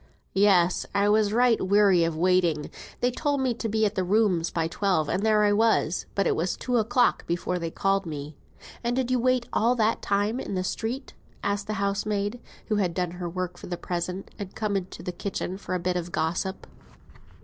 "Yes, I was right weary of waiting; they told me to be at the rooms by twelve; and there I was. But it was two o'clock before they called me." "And did you wait all that time in the street?" asked the housemaid, who had done her work for the present, and come into the kitchen for a bit of gossip.